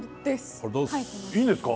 いいんですか？